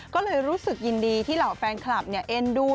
ก็เลยรู้สึกยินดีที่เหล่าแฟนคลับเอ็นดู